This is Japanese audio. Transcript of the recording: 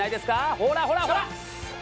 ほらほらほら！